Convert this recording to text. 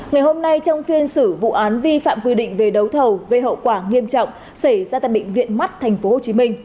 ngày hôm nay trong phiên xử vụ án vi phạm quy định về đấu thầu gây hậu quả nghiêm trọng xảy ra tại bệnh viện mắt tp hcm